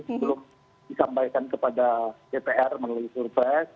belum disampaikan kepada dpr melalui prp